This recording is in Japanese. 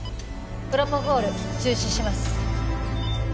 プロポフォール中止します。